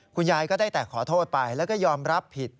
คุณยายก็ได้แต่ขอโทษไปแล้วก็ยอมรับผิด